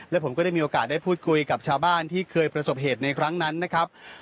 และผมก็ได้มีโอกาสได้พูดคุยกับชาวบ้านที่เคยประสบเหตุในครั้งนั้นนะครับ